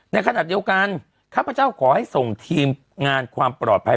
ในขณะเดียวกันข้าพเจ้าขอให้ส่งทีมงานความปลอดภัย